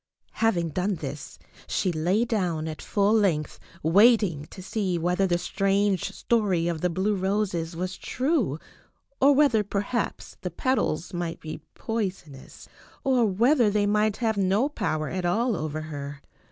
Having done this she lay down at full length waiting to see whether the strange story of the blue roses was true, or whether perhaps the petals might be poisonous, or whether they might have no power at all over her.